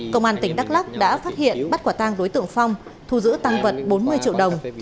công an tỉnh đắk lắc đã phát hiện bắt quả tang đối tượng phong thu giữ tăng vật bốn mươi triệu đồng